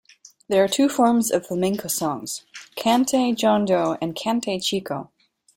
There are two forms of flamenco songs: "cante jondo" and "cante chico".